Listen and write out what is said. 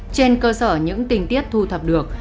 trên cơ sở những tình tiết thu thập được